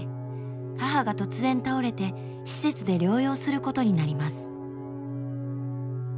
母が突然倒れて施設で療養することになります。